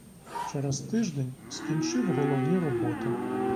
Через тиждень скінчив головні роботи.